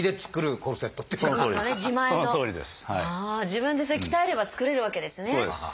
自分でそれ鍛えれば作れるわけですね。